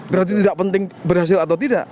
berarti tidak penting berhasil atau tidak